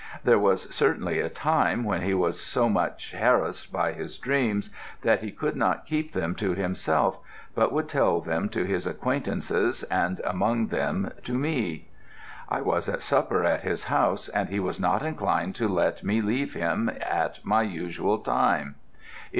There was certainly a time when he was so much harassed by his dreams that he could not keep them to himself, but would tell them to his acquaintances and among them to me. I was at supper at his house, and he was not inclined to let me leave him at my usual time.